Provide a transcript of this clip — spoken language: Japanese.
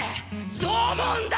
そう思うんだ。